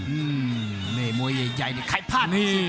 อืมนี่มวยใหญ่ในไข่พันธุ์